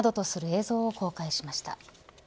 映像を公開しました。